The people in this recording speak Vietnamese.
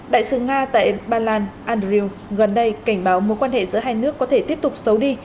đại sứ nga tại ba lan andrew gần đây cảnh báo mối quan hệ giữa hai nước có thể tiếp tục xấu đi